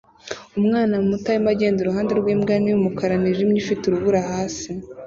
Umwana muto arimo agenda iruhande rwimbwa nini yumukara nijimye ifite urubura hasi